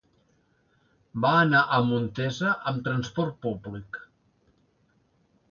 Va anar a Montesa amb transport públic.